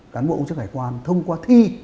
cán bộ công chức hải quan thông qua thi